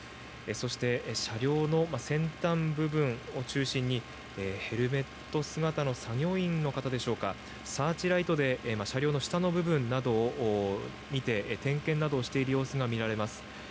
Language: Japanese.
そして、車両の先端部分を中心にヘルメット姿の作業員の方でしょうかサーチライトで車両の下の部分などを見て点検などをしている様子が見られます。